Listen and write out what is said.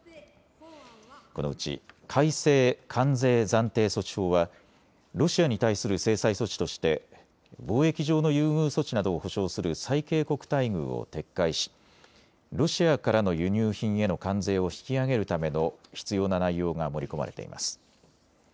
このうち改正関税暫定措置法はロシアに対する制裁措置として貿易上の優遇措置などを保障する最恵国待遇を撤回しロシアからの輸入品への関税を引き上げるための必要な内容が盛り込まれています。